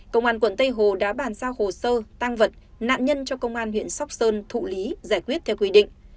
công an quận tây hồ đã bàn giao hồ sơ tăng vật nạn nhân cho công an huyện sóc sơn thụ lý giải quyết theo quy định